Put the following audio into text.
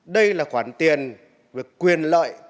đây là khoản tiền về quyền lợi